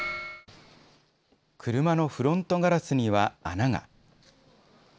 車のフロントガラスには穴が。